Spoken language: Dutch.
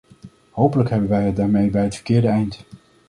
Hopelijk hebben wij het daarmee bij het verkeerde eind!